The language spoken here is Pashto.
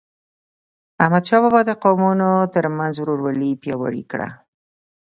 احمدشاه بابا د قومونو ترمنځ ورورولي پیاوړی کړه.